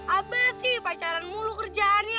apa sih pacaran mulu kerjaannya